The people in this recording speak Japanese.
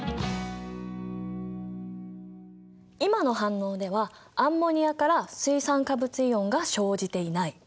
今の反応ではアンモニアから水酸化物イオンが生じていない。